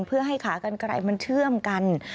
เพื่อให้ขากันไกลมันเชื่อมกัน